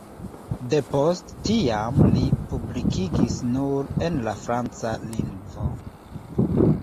Depost tiam li publikigis nur en la franca lingvo.